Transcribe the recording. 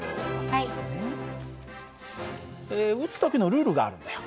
撃つ時のルールがあるんだよ。